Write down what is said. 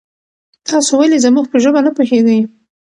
تاسو ولې زمونږ په ژبه نه پوهیږي؟